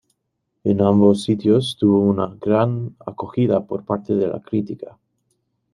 En ambos sitios tuvo una gran acogida por parte de la crítica.